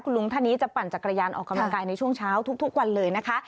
ลุงท่านนี้จะปั่นจักรยานออกกำลังกายในช่วงเช้าทุกวันเลยนะคะ